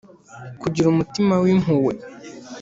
kugira umutima w impuhwe .